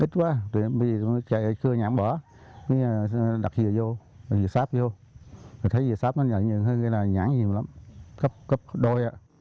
ít quá bây giờ tôi chạy cưa nhãn bỏ đặt dừa sáp vô thấy dừa sáp nó nhuận hơn nhãn nhiều lắm cấp đôi